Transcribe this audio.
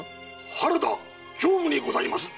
原田刑部にございます！